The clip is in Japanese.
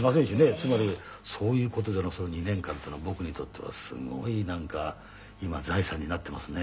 つまりそういう事でのその２年間っていうのは僕にとってはすごいなんか今財産になってますね。